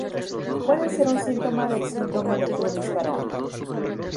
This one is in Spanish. Puede ser un síntoma del síndrome de Yunis-Varón.